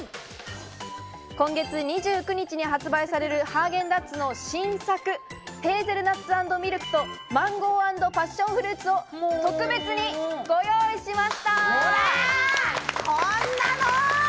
今月２９日に発売されるハーゲンダッツの新作、ヘーゼルナッツ＆ミルクとマンゴー＆パッションフルーツを特別にご用意しました。